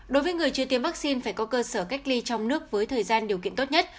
đối với người chưa tiêm vaccine phải có cơ sở cách ly trong nước với thời gian điều kiện tốt nhất